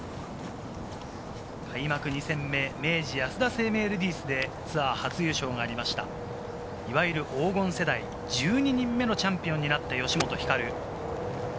開幕２戦目、明治安田生命レディスでツアー初優勝がありました、いわゆる黄金世代、１２人目のチャンピオンになった吉本ひかる。